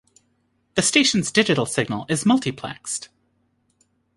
The station's digital signal is multiplexed.